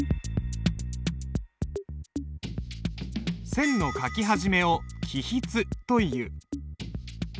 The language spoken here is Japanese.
線の書き始めを起筆という。